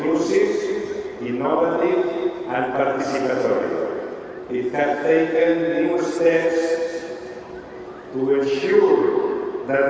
kami telah mengambil langkah langkah baru untuk memastikan bahwa perubahan kota kota besar dan kota kota besar